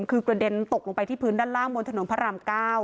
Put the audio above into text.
คือกระเด็นตกลงไปที่พื้นด้านล่างบนถนนพระราม๙